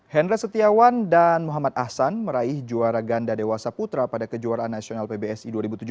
hendra setiawan dan muhammad ahsan meraih juara ganda dewasa putra pada kejuaraan nasional pbsi dua ribu tujuh belas